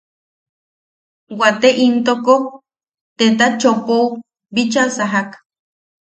Wate intoko Teta Chopou bicha sajak.